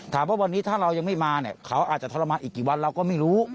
ถามว่าวันนี้ถ้าเรายังไม่มาเนี่ยเขาอาจจะทรมานอีกกี่วันเราก็ไม่รู้